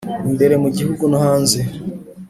imbere mu gihugu no hanze